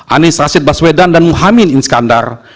anis rashid baswedan dan muhammad inskandar